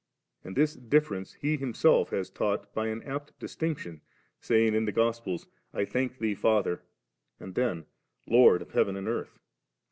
And this difference He Himself has taught by an apt distinction, saying in the G<^els, ' I thank Thee, O Father,' and then, * Lord of heaven and earth*.'